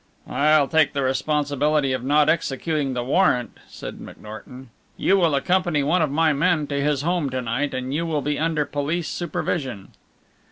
"I'll take the responsibility of not executing the warrant," said McNorton. "You will accompany one of my men to his home to night and you will be under police supervision."